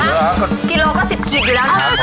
กิโลละ๑๐กิโลละอยู่แล้วค่ะ